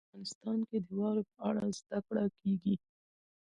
په افغانستان کې د واورې په اړه زده کړه کېږي.